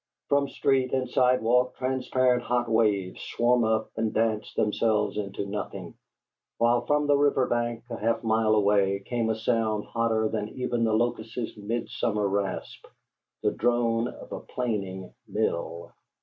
From street and sidewalk, transparent hot waves swam up and danced themselves into nothing; while from the river bank, a half mile away, came a sound hotter than even the locust's midsummer rasp: the drone of a planing mill.